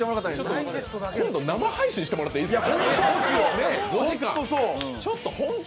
今度、生配信してもらっていいですか？